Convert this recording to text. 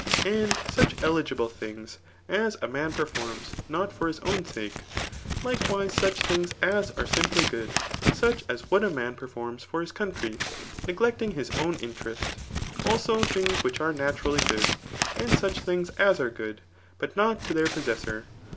And such eligible things as a man performs not for his own sake. Like wise such things as are simply good, such as what a man performs for his country, neglecting his«,own interests Also things which are naturally good i and such thing8^ as are good, but not to their possessor.